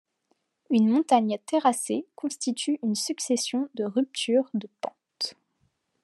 Une montagne terrassée constitue une succession de ruptures de pentes.